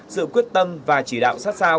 sự quyết tâm và chỉ đạo sát sao